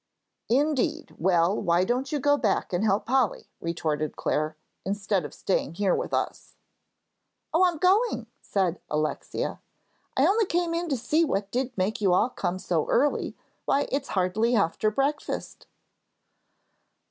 "Indeed! Well, why don't you go back and help Polly," retorted Clare, "instead of staying here with us." "Oh, I'm going," said Alexia. "I only came in to see what did make you all come so early. Why, it's hardly after breakfast."